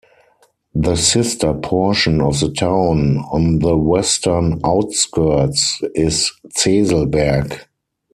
The sister portion of the town on the western outskirts is Zeselberg.